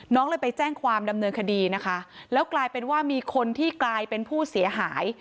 น้องเลยไปแจ้งความดำเนินคดีนะคะแล้วกลายเป็นว่ามีคนที่กลายเป็นผู้เสียหาย